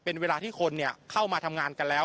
เป็นเวลาที่คนเข้ามาทำงานกันแล้ว